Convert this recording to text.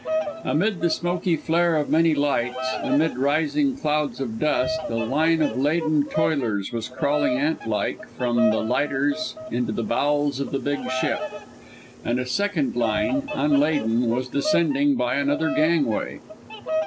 Amid the smoky flare of many lights, amid rising clouds of dust, a line of laden toilers was crawling ant like from the lighters into the bowels of the big ship; and a second line, unladen, was descending by another gangway.